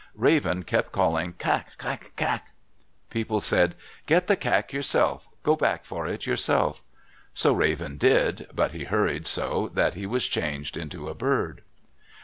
Raven kept calling "Kak, kak, kak!" People said, "Get the kak yourself. Go back for it yourself." So Raven did, but he hurried so that he was changed into a bird.